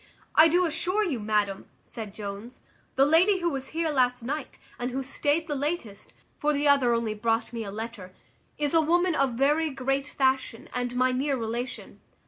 "I do assure you, madam," said Jones, "the lady who was here last night, and who staid the latest (for the other only brought me a letter), is a woman of very great fashion, and my near relation."